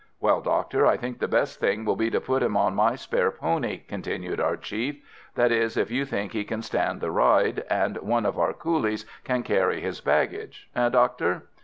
"Well, doctor, I think the best thing will be to put him on my spare pony," continued our chief; "that is, if you think he can stand the ride, and one of our coolies can carry his baggage. Eh, doctor?"